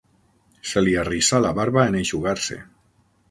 Se li arrissà la barba en eixugar-se.